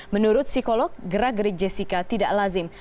menurut psikolog gerak gerik jessica tidak lazim